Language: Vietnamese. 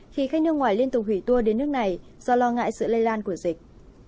khi khách nước ngoài liên tục hủy tour đến nước này do lo ngại sự lây lan của dịch